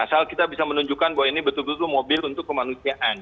asal kita bisa menunjukkan bahwa ini betul betul mobil untuk kemanusiaan